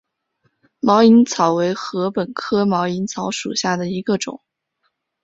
毛颖草为禾本科毛颖草属下的一个种。